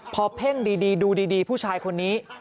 พอเพ่งดีดูดีผู้ชายคนนี้